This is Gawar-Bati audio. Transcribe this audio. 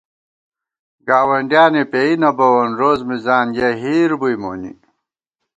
گاوَنڈیانے پېئ نہ بَوون روڅ مِزان یَہ ہِیر بُوئی مونی